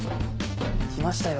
来ましたよ